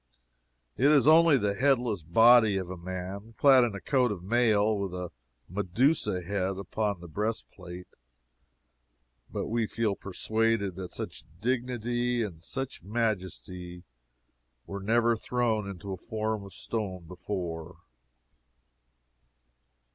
It is only the headless body of a man, clad in a coat of mail, with a Medusa head upon the breast plate, but we feel persuaded that such dignity and such majesty were never thrown into a form of stone before.